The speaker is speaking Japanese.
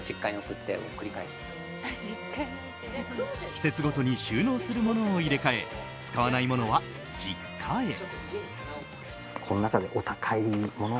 季節ごとに収納するものを入れ替え使わないものは実家へ。